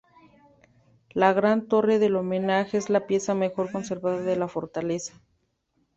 La gran Torre del Homenaje es la pieza mejor conservada de la fortaleza.